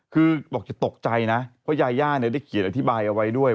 คือบอกจะตกใจนะเพราะยาย่าได้เขียนอธิบายเอาไว้ด้วย